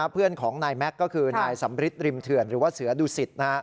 เพื่อนของนายแม็กซ์ก็คือนายสำริทริมเถื่อนหรือว่าเสือดุสิต